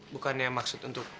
bukannya maksud untuk